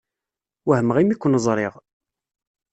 Wehmeɣ imi ken-ẓṛiɣ.